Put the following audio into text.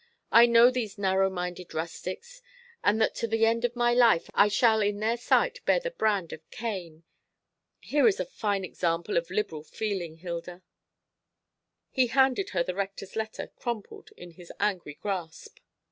I know these narrow minded rustics, and that to the end of my life I shall in their sight bear the brand of Cain. Here is a fine example of liberal feeling, Hilda." He handed her the Rector's letter, crumpled in his angry grasp.